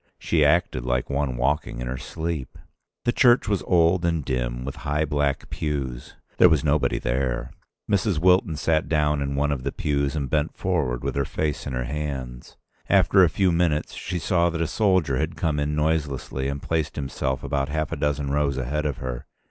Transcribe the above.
She acted like one walking in her sleep. The church was old and dim, with high black pews. There was nobody there. Mrs. Wilton sat down in one of the pews and bent forward with her face in her hands. After a few minutes she saw that a soldier had come in noiselessly and placed himself about half a dozen rows ahead of her.